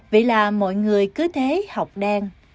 vậy là mọi người cứ thế học đen